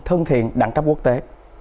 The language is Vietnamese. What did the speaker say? thân thiện đẳng cấp quốc tế